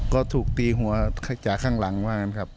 ก็ถูกตีหัวจากข้างหลังว่างั้นครับ